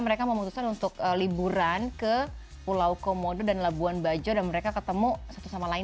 mereka memutuskan untuk liburan ke pulau komodo dan labuan bajo dan mereka ketemu satu sama lain